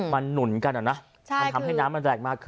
มันหนุนกันนะมันทำให้น้ำมันแรงมากขึ้น